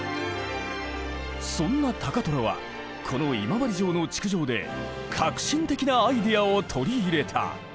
そんな高虎はこの今治城の築城で革新的なアイデアを取り入れた。